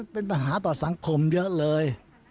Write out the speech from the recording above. เป็นปัญหาต่อสังคมเยอะเลย